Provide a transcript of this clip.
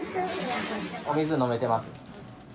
お水、飲めてます？